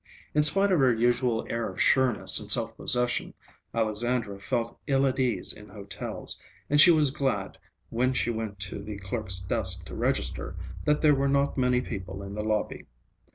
In spite of her usual air of sureness and self possession, Alexandra felt ill at ease in hotels, and she was glad, when she went to the clerk's desk to register, that there were not many people in the lobby.